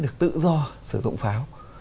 người dân sẽ được tự do sử dụng pháo